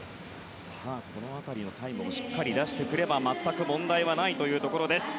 この辺りのタイムをしっかり出してくれば全く問題はないというところです。